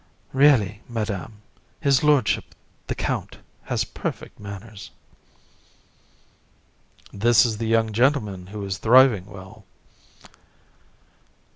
JU. Really, Madam, his lordship the count has perfect manners. VISC. This is a young gentleman who is thriving well.